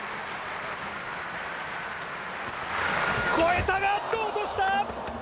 越えたが、バーを落とした。